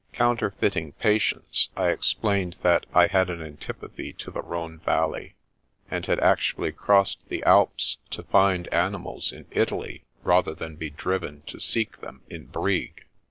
Counterfeiting patience, I explained that I had an antipathy to the Rhone Valley, and had actually crossed the Alps to find animals in Italy rather than be driven to seek them in Brig.